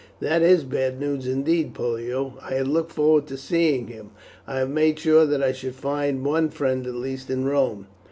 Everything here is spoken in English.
"That is bad news indeed, Pollio. I had looked forward to seeing him. I had made sure that I should find one friend at least in Rome."